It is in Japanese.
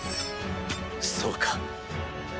そうか。